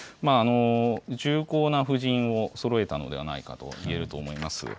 重厚な布陣をそろえたのではないかといえると思います。